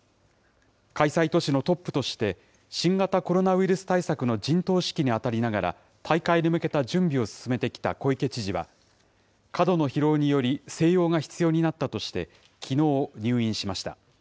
開催都市のトップとして、新型コロナウイルス対策の陣頭指揮に当たりながら、大会に向けた準備を進めてきた小池知事は、過度の疲労により静養が必要になったとして、きのう、入院しました。